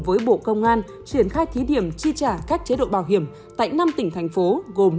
với bộ công an triển khai thí điểm chi trả các chế độ bảo hiểm tại năm tỉnh thành phố gồm